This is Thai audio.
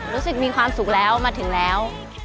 รู้สึกมีความสุขแล้วมาถึงแล้ว